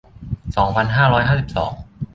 สองพันห้าร้อยห้าสิบสอง